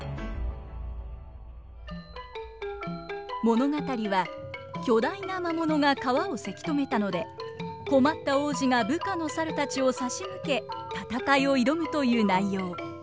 物語は巨大な魔物が川をせき止めたので困った王子が部下の猿たちを差し向け戦いを挑むという内容。